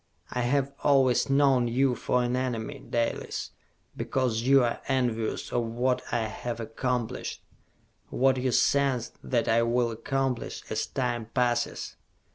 I have always known you for an enemy, Dalis, because you are envious of what I have accomplished, what you sense that I will accomplish as time passes!"